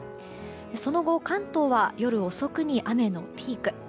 その後、関東は夜遅くに雨のピーク。